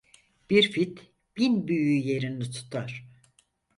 Bir fit bin büyü yerini tutar.